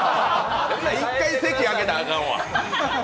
１回席あけたらあかんわ。